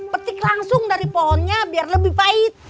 petik langsung dari pohonnya biar lebih pahit